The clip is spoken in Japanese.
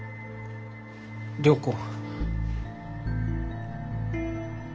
良子。